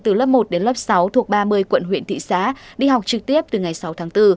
từ lớp một đến lớp sáu thuộc ba mươi quận huyện thị xã đi học trực tiếp từ ngày sáu tháng bốn